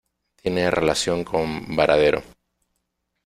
Tiene relación con "varadero".